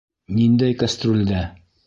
Ниндәй кәстрүлдә?